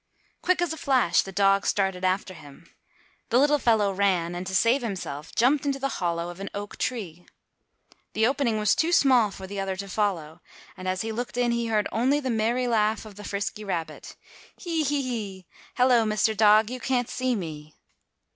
Quick as a flash the dog started after him. The little fellow ran and, to save himself, jumped into the hollow of an oak tree. The opening was too small for the other to follow and as he looked in he heard only the merry laugh of the frisky rabbit, "Hee, hee! hello, Mr. Dog, you can't see me."